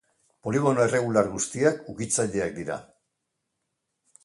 Poligono erregular guztiak ukitzaileak dira.